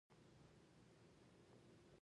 د هند ملي بیرغ تیرانګه دی.